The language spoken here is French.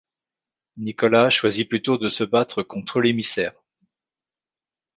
Nicolas choisit plutôt de se battre contre l'émissaire.